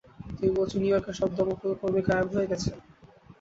তুমি বলছো নিউইয়র্কের সব দমকলকর্মী, গায়েব হয়ে গেছে?